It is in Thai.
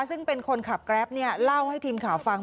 ซึ่งเป็นคนขับแกรปเล่าให้ทีมข่าวฟัง